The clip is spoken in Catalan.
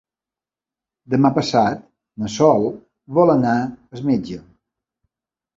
Demà passat na Sol vol anar al metge.